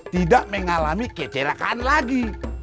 tidak mengalami kecelakaan lagi